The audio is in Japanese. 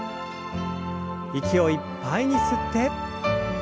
息をいっぱいに吸って。